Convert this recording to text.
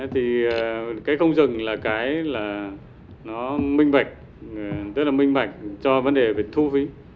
thì cái không dừng là cái là nó minh bạch rất là minh bạch cho vấn đề về thu phí